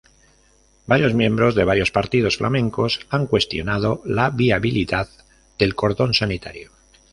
Varios miembros de varios partidos flamencos han cuestionado la viabilidad del cordón sanitario.